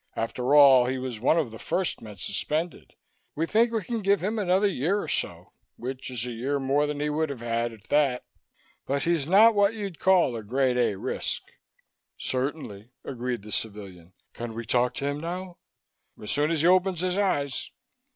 After all, he was one of the first men suspended. We think we can give him another year or so which is a year more than he would have had, at that but he's not what you'd call a Grade A risk." "Certainly," agreed the civilian. "Can we talk to him now?" "As soon as he opens his eyes."